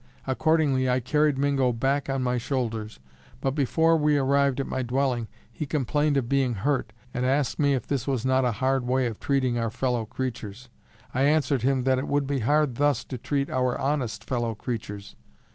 Accordingly I carried Mingo back on my shoulders, but before we arrived at my dwelling, he complained of being hurt, and asked me if this was not a hard way of treating our fellow creatures. I answered him that it would be hard thus to treat our honest fellow creatures.